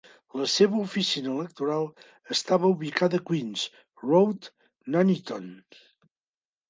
La seva oficina electoral estava ubicada a Queens Road, Nuneaton.